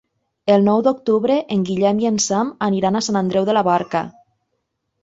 El nou d'octubre en Guillem i en Sam aniran a Sant Andreu de la Barca.